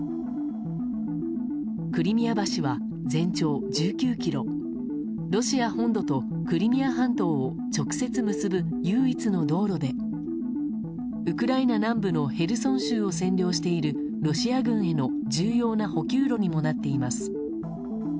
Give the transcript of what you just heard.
クリミア橋は全長１９ｋｍロシア本土とクリミア半島を直接結ぶ唯一の道路でウクライナ南部のヘルソン州を占領しているロシア軍への重要な補給路にもなっています。